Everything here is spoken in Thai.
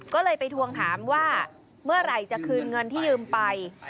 ก็เลยไปทวงถามว่าเมื่อไหร่จะคืนเงินที่ยืมไป